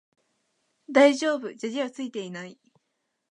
大丈夫、砂利はついていない